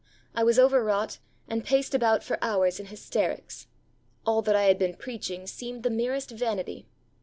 I was overwrought, and paced about for hours in hysterics. All that I had been preaching seemed the merest vanity.'